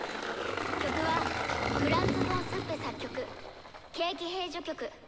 曲はフランツ・フォン・スッペ作曲「軽騎兵」序曲。